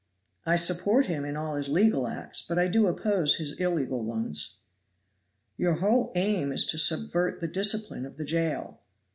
"I support him in all his legal acts, but I do oppose his illegal ones." "Your whole aim is to subvert the discipline of the jail."